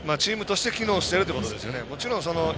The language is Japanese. チームとして機能してるってことですね。